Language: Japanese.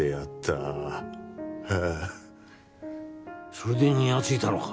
それでニヤついたのか？